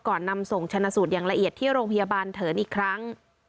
นำส่งชนะสูตรอย่างละเอียดที่โรงพยาบาลเถินอีกครั้ง